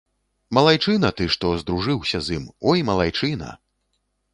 Малайчына ты, што здружыўся з ім, ой, малайчына!